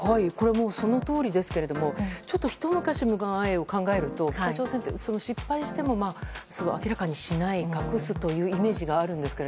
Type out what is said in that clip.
そのとおりですがひと昔前を考えると北朝鮮って失敗しても明らかにしない隠すというイメージがあるんですが。